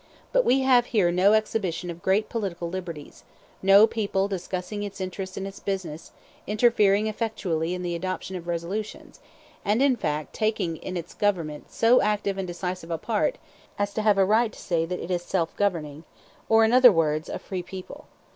But we have here no exhibition of great political liberties, no people discussing its interests and its business, interfering effectually in the adoption of resolutions, and, in fact, taking in its government so active and decisive a part as to have a right to say that it is self governing, or, in other words, a free people.